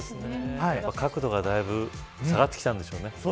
角度がだいぶ下がってきたんでしょうね。